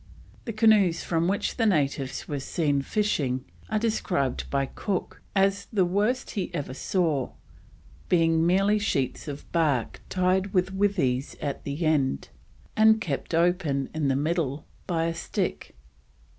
The canoes from which the natives were seen fishing are described by Cook as the worst he ever saw, being merely sheets of bark tied with withies at the end and kept open in the middle by a stick.